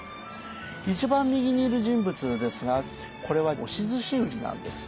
一番右にいる人物ですがこれは押し寿司売りなんです。